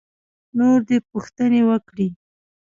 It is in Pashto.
نور دې پوښتنې وکړي.